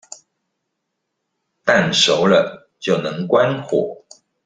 蛋熟了就能關火